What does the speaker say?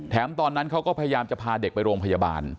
ตอนนั้นเขาก็พยายามจะพาเด็กไปโรงพยาบาล